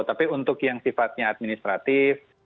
tapi untuk yang sifatnya administratif